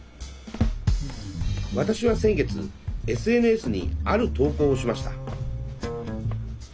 私は先月ＳＮＳにある投稿をしました。